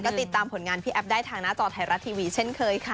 ก็ติดตามผลงานพี่แอฟได้ทางหน้าจอไทยรัฐทีวีเช่นเคยค่ะ